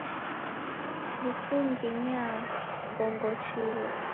Nikuging'ia ngongochiro!